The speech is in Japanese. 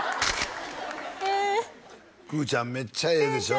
くぅちゃんめっちゃええでしょ